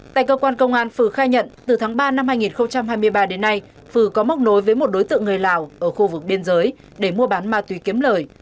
tại cơ quan công an phừ khai nhận từ tháng ba năm hai nghìn hai mươi ba đến nay phừ có móc nối với một đối tượng người lào ở khu vực biên giới để mua bán ma túy kiếm lời